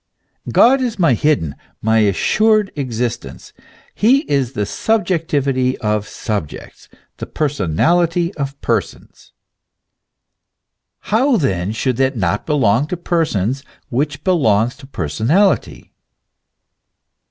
God is my hidden, my assured exist ence ; he is the subjectivity of subjects, the personality of persons. How then should that not belong to persons which belongs to personality